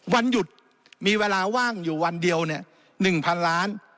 วันหยุดมีเวลาว่างอยู่วันเดียว๑๐๐๐ล้าน